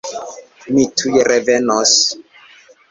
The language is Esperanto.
Mi tuj revenos!